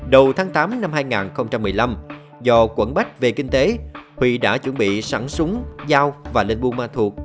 đầu tháng tám năm hai nghìn một mươi năm do quẩn bách về kinh tế huy đã chuẩn bị sẵn súng dao và lên buôn ma thuột